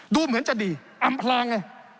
ดูเหมือนจะดีอำพลางไง